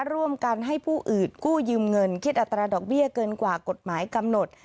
ร่วมกันให้ผู้อื่นกู้ยืมเงินคิดอัตราดอกเบี้ยเกินกว่ากฎหมายกำหนด